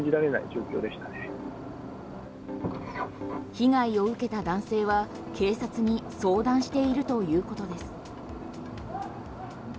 被害を受けた男性は警察に相談しているということです。